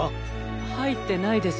はいってないです。